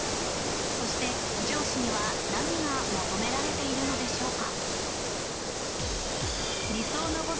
そして、上司には何が求められているのでしょうか。